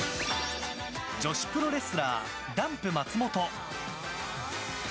女子プロレスラー、ダンプ松本。